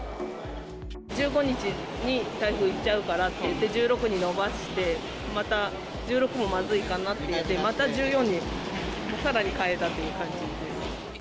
１５日に台風行っちゃうからっていって、１６に延ばして、また１６もまずいかなっていって、また１４に、さらに変えたっていう感じです。